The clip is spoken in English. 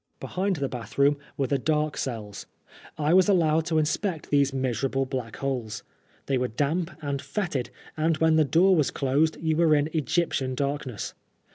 Behind the bath room were the dark cells. I was allowed to inspect these miserable 140 PKI80NEB FOB BLASPHEMY. black holes. They were damp and fetid, and when the door was closed you were in ESgyptian darkness.